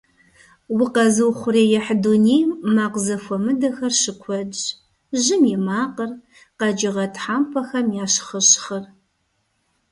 Укъэзыухъуреихь дунейм макъ зэхуэмыдэхэр щыкуэдщ: жьым и макъыр, къэкӀыгъэ тхьэмпэхэм я щхъыщхъыр.